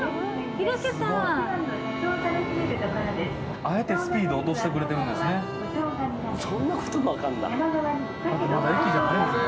あえてスピードを落としてくれてるんですね。